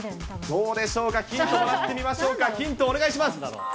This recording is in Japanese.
どうでしょうか、ヒントもらってみましょうか、ヒント、お願いします。